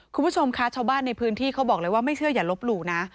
คุณผู้ชมคะชาวบ้านในพื้นที่เขาบอกเลยว่าไม่เชื่ออย่าลบหลู่นะ